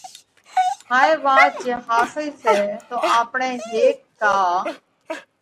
هائي وات جي ۿاسي سئہ تو آپڻئہ ھيڪ ڪا